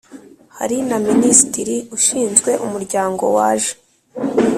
hari na Minisitiri ushinzwe Umuryango waje